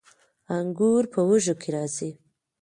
انګور په وږو کې راځي